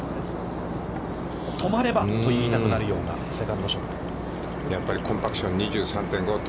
止まればと言いたくなるようなセカンドショット。